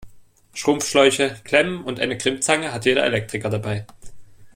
Schrumpfschläuche, Klemmen und eine Crimpzange hat jeder Elektriker dabei.